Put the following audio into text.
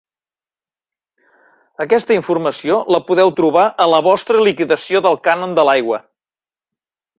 Aquesta informació la podeu trobar a la vostra liquidació del cànon de l'aigua.